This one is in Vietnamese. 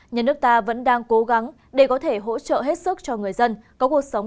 nhân nước ta vẫn đang cố gắng để có thể hỗ trợ hết sức